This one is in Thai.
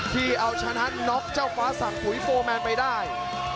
ที่เอาชนะน็อกเจ้าฟ้าสั่งปุ๋ยโฟร์แมนไปได้